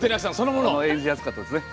演じやすかったですね。